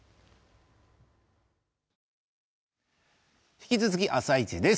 引き続き「あさイチ」です。